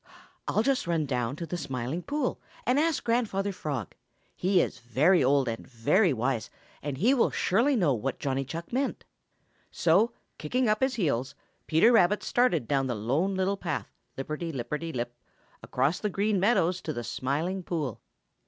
"I'll just run down to the Smiling Pool and ask Grandfather Frog. He is very old and very wise, and he will surely know what Johnny Chuck meant." So, kicking up his heels, Peter Rabbit started down the Lone Little Path, lip perty lipperty lip, across the Green Meadows to the Smiling Pool.